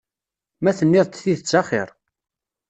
Ma tenniḍ-d tidet axiṛ.